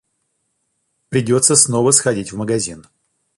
Придётся снова сходить в магазин.